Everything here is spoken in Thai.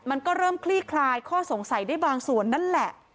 มันก็เริ่มคลี่คลายข้อสงสัยได้บางส่วนนั่นแหละ